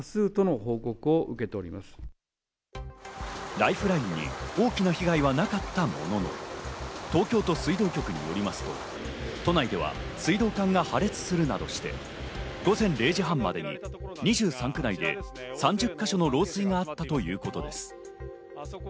ライフラインに大きな被害はなかったものの、東京都水道局によりますと、都内では水道管が破裂するなどして、午前０時半までに２３区内で３０か所の漏水があったということです。